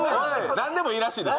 何でもいいらしいです。